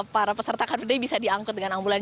para peserta car free day bisa diangkut dengan ambulans